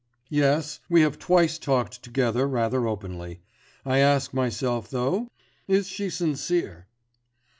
'Yes; we have twice talked together rather openly. I ask myself, though, is she sincere?